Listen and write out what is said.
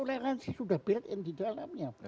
toleransi sudah built in di dalamnya